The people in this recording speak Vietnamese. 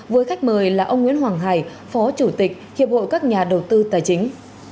với khách mời là ông nguyễn hoàng hải phó chủ tịch hiệp hội các nhà đầu tư tài chính